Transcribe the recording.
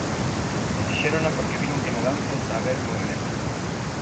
E fixérona porque viron que na danza está a haber movemento.